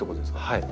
はい。